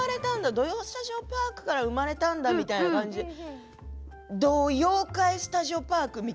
「土曜スタジオパーク」から生まれたんだみたいな「土妖怪スタジオパーク」。